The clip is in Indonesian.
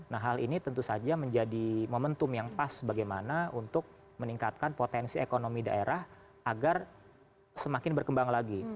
nah hal ini tentu saja menjadi momentum yang pas bagaimana untuk meningkatkan potensi ekonomi daerah agar semakin berkembang lagi